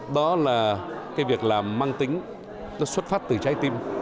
đó là cái việc làm mang tính nó xuất phát từ trái tim